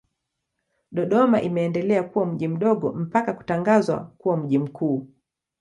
Dodoma imeendelea kuwa mji mdogo mpaka kutangazwa kuwa mji mkuu.